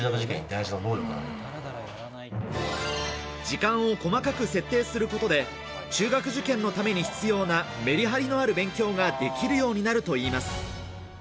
時間を細かく設定することで、中学受験のために必要なメリハリのある勉強ができるようになるといいます。